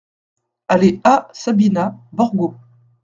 Allée A Sabina, Borgo